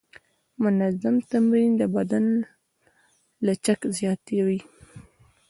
منظم تمرین د بدن لچک زیاتوي.